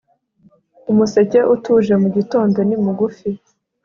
umuseke utuje mugitondo ni mugufi